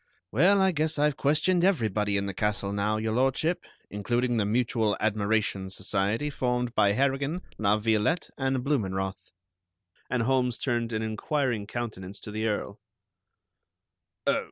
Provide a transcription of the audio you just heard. Well, I guess I've questioned everybody in the castle now, Your Lordship, including the mutual admiration society formed by Harrigan, La Violette and Blumenroth." And Holmes turned an inquiring countenance to the Earl.